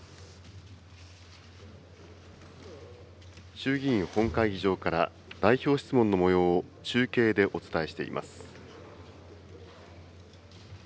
衆議院本会議場から代表質問のもようを中継でお伝えしています。